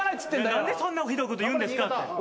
何でそんなひどいこと言うんですか？